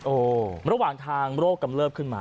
ระหว่างทางโรคกำเริบขึ้นมา